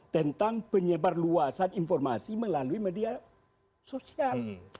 tentang penyebar luasan informasi melalui media sosial